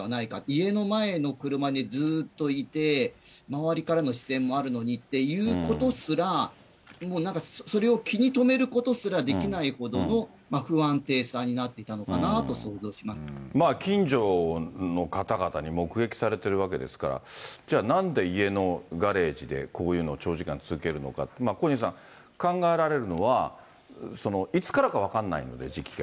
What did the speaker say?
家の前の車にずっといて、周りからの視線もあるのにっていうことすら、もう何かそれを気に留めることすらできないほどの不安定さになっまあ、近所の方々に目撃されてるわけですから、じゃあ、なんで家のガレージでこういうのを長時間続けるのか、小西さん、考えられるのは、いつからか分からないので時期が。